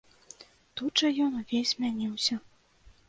Тут жа ён увесь змяніўся.